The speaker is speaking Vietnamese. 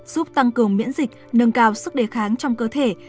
giúp tăng cường miễn dịch nâng cao sức đề kháng trong cơ thể